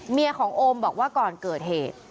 เมียของโอมบอกว่าก่อนเกิดเหตุ